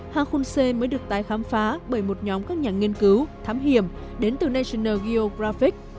hakun c mới được tái khám phá bởi một nhóm các nhà nghiên cứu thám hiểm đến từ national geographic